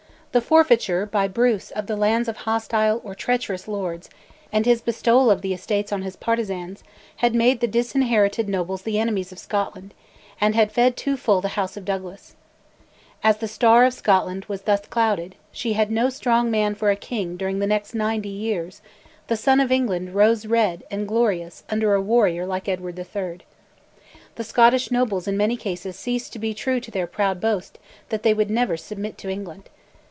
The forfeiture by Bruce of the lands of hostile or treacherous lords, and his bestowal of the estates on his partisans, had made the disinherited nobles the enemies of Scotland, and had fed too full the House of Douglas. As the star of Scotland was thus clouded she had no strong man for a King during the next ninety years the sun of England rose red and glorious under a warrior like Edward III. The Scottish nobles in many cases ceased to be true to their proud boast that they would never submit to England.